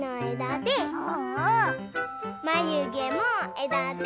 まゆげもえだで。